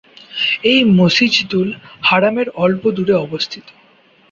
এটি মসজিদুল হারামের অল্প দূরে অবস্থিত।